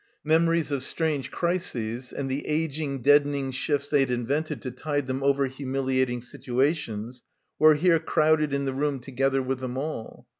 Memories of strange crises and the ageing deadening shifts they had in vented to tide them over humiliating situations were here crowded in the room together with them all.